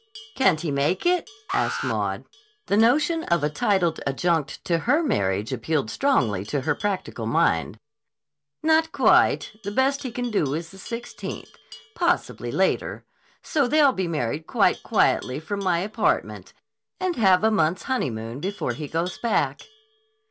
"Can't he make it?" asked Maud. The notion of a titled adjunct to her marriage appealed strongly to her practical mind. "Not quite. The best he can do is the 16th. Possibly later. So they'll be married quite quietly from my apartment and have a month's honeymoon before he goes back."